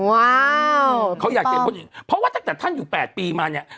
ว้าวเขาอยากเพราะว่าตั้งแต่ท่านอยู่แปดปีมาเนี้ย